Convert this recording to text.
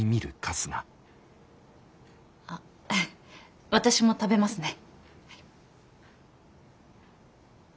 あっ私も食べますね。